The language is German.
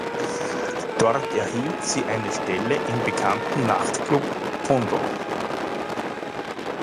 Dort erhielt sie eine Stelle im bekannten Nachtclub "Tunnel".